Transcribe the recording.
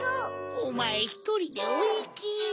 おまえひとりでおいき。